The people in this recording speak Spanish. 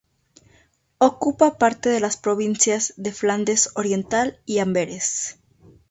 Ocupa parte de las provincias de Flandes Oriental y Amberes.